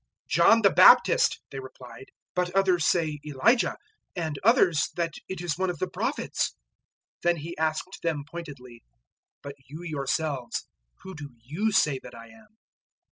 008:028 "John the Baptist," they replied, "but others say Elijah, and others, that it is one of the Prophets." 008:029 Then He asked them pointedly, "But you yourselves, who do you say that I am?"